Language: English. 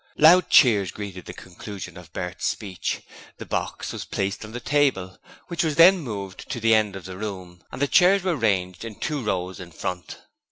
Loud cheers greeted the conclusion of Bert's speech. The box was placed on the table, which was then moved to the end of the room, and the chairs were ranged in two rows in front.